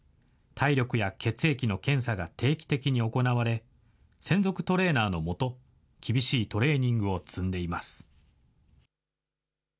体力や血液の検査が定期的に行われ、専属トレーナーの下、厳しいトレーニングを積んでいます。